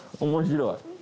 面白い。